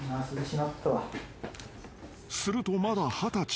［するとまだ二十歳。